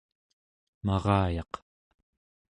marayaq